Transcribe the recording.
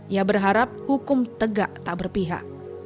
ia berharap hukum tegak tak berpihak